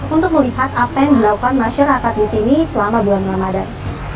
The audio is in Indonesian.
untuk melihat apa yang dilakukan masyarakat di sini selama bulan ramadan